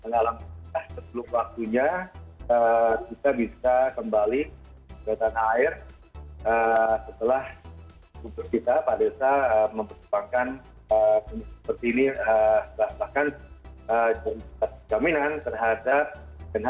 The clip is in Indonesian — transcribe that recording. dalam setelah waktu nya kita bisa kembali ke tanah air setelah bws kita pak desa memperjuangkan seperti ini bahkan jaminan terhadap